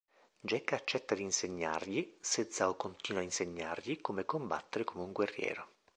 Jack accetta di insegnargli se Zhao continua a insegnargli come combattere come un Guerriero.